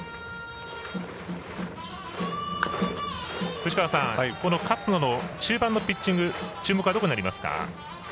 藤川さん勝野の中盤のピッチング注目はどこになりますか？